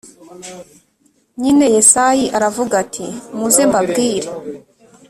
nyine yesayi aravuga ati muze mbabwire